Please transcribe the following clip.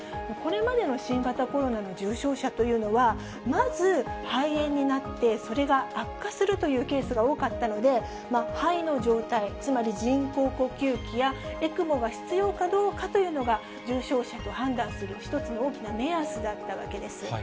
これまでの新型コロナの重症者というのは、まず肺炎になって、それが悪化するというケースが多かったので、肺の状態、つまり人工呼吸器やＥＣＭＯが必要かどうかというのが、重症者と判断する一つの大きな目安だったわけです。